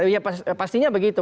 iya pastinya begitu